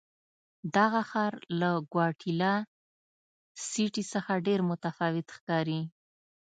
دغه ښار له ګواتیلا سیټي څخه ډېر متفاوت ښکاري.